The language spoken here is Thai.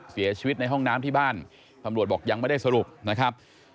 เสียชีวิตในห้องน้ำที่บ้านตำรวจบอกยังไม่ได้สรุปนะครับ